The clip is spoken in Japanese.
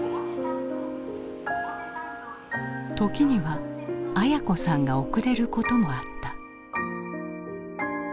時には文子さんが遅れることもあった。